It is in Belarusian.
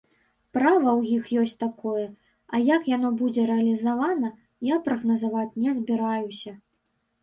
Права ў іх ёсць такое, а як яно будзе рэалізавана, я прагназаваць не збіраюся.